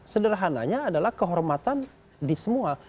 sederhananya adalah kehormatan di semua